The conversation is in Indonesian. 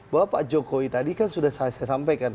bahwa pak jokowi tadi kan sudah saya sampaikan